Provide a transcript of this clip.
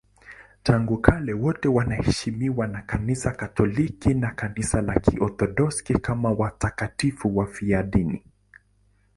Tangu kale wote wanaheshimiwa na Kanisa Katoliki na Kanisa la Kiorthodoksi kama watakatifu wafiadini.